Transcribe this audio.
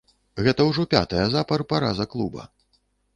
Гэта ўжо пятая запар параза клуба.